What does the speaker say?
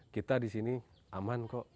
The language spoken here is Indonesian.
kita disini aman kok